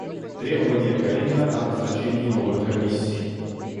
Требования Каренина о назначении новых комиссий.